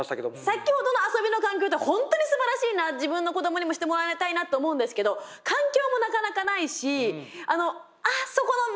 先ほどの遊びの環境って本当にすばらしいな自分の子どもにもしてもらいたいなと思うんですけど環境もなかなかないしあのあっそこの水たまり入んないでとかね。